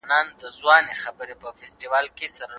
تاسي مات سواست .